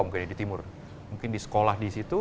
mungkin di timur mungkin di sekolah di situ